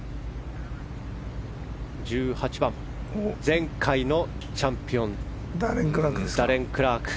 １８番、前回のチャンピオンダレン・クラーク。